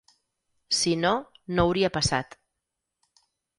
Si no, no hauria passat.